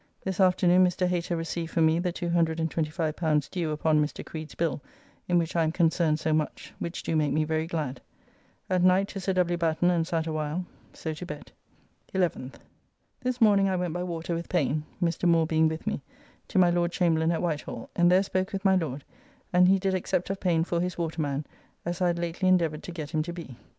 This afternoon Mr. Hater received for me the L225 due upon Mr. Creed's bill in which I am concerned so much, which do make me very glad. At night to Sir W. Batten and sat a while. So to bed. 11th. This morning I went by water with Payne (Mr. Moore being with me) to my Lord Chamberlain at Whitehall, and there spoke with my Lord, and he did accept of Payne for his waterman, as I had lately endeavoured to get him to be.